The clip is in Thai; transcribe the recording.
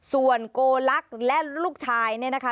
ส่วนโกลักษณ์และลูกชายเนี่ยนะคะ